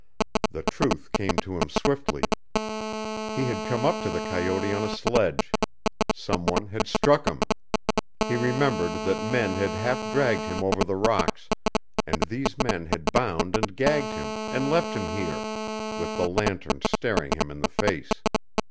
The truth came to him swiftly. He had come up to the coyote on a sledge. Some one had struck him. He remembered that men had half dragged him over the rocks, and these men had bound and gagged him, and left him here, with the lantern staring him in the face.